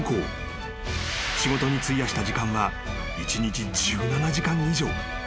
［仕事に費やした時間は一日１７時間以上］